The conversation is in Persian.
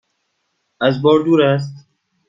از بار دور است؟